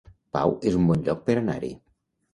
Pau es un bon lloc per anar-hi